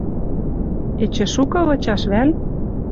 Эче шукы вычаш вӓл?..